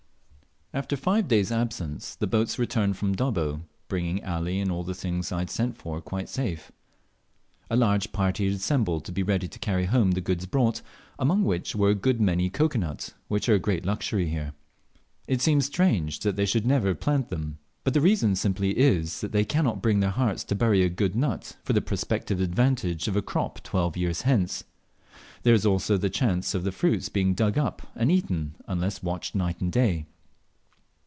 After five days' absence the boats returned from Dobbo, bringing Ali and all the things I had sent for quite safe. A large party had assembled to be ready to carry home the goods brought, among which were a good many cocoa nut, which are a great luxury here. It seems strange that they should never plant them; but the reason simply is, that they cannot bring their hearts to bury a good nut for the prospective advantage of a crop twelve years hence. There is also the chance of the fruits being dug up and eaten unless watched night and day.